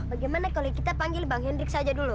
bagaimana kalau kita panggil bang hendrik saja dulu